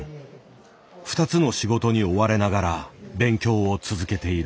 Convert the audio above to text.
２つの仕事に追われながら勉強を続けている。